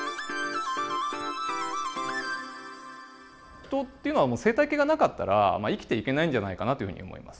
人っていうのは生態系がなかったら生きていけないんじゃないかなっていうふうに思います。